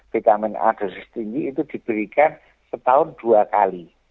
vitamin a dosis tinggi itu diberikan setahun dua kali